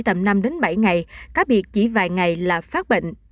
trường hợp chung ca bệnh chỉ tầm năm bảy ngày khác biệt chỉ vài ngày là phát bệnh